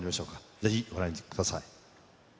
ぜひご覧ください。